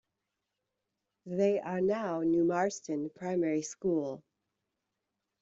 They are now New Marston Primary School.